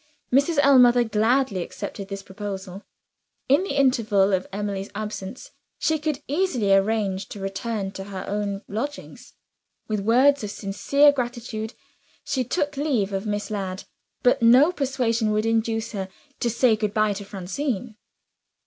Mrs. Ellmother gladly accepted this proposal. In the interval of Emily's absence, she could easily arrange to return to her own lodgings. With words of sincere gratitude she took leave of Miss Ladd; but no persuasion would induce her to say good by to Francine.